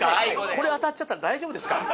これ当たっちゃったら大丈夫ですか？